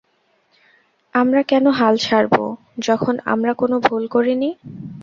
আমরা কেন হাল ছাড়বো যখন আমরা কোনো ভুল করিনি।